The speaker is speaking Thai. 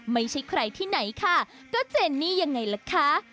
ไม่ใช่ใครที่ไหนค่ะก็เจนนี่ยังไงล่ะคะ